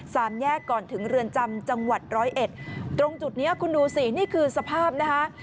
สามแยกก่อนถึงเรือนจำจังหวัดร้อยเอ็ดตรงจุดเนี้ยคุณดูสินี่คือสภาพนะคะ